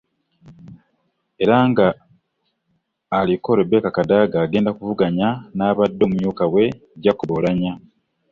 Era nga aliko Rebecca Kadaga agenda kuvuganya n'abadde omumyuka we Jacob Oulanyah